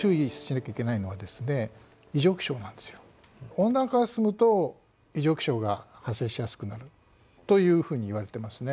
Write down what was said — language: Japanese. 温暖化が進むと異常気象が発生しやすくなるというふうにいわれてますね。